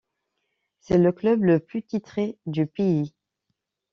C'est le club le plus titré du pays.